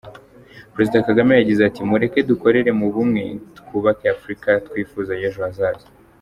Perezida Kagame yagize ati “Mureke dukorere mu bumwe, twubake Africa twifuza y’ejo hazaza”.